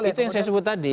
itu yang saya sebut tadi